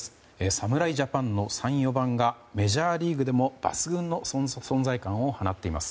侍ジャパンの３、４番がメジャーリーグでも抜群の存在感を放っています。